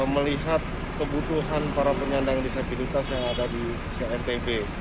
melihat kebutuhan para penyandang disabilitas yang ada di rtb